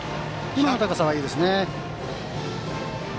今の高さはいいですね。